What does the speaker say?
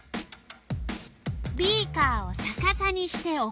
ビーカーをさかさにしておく。